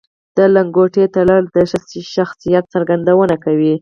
د لنګوټې تړل د ښه شخصیت څرګندونه کوي